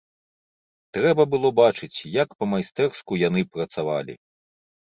Трэба было бачыць, як па-майстэрску яны працавалі!